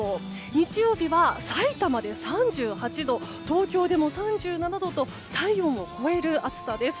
日曜日は、さいたまで３８度東京でも３７度と体温を超える暑さです。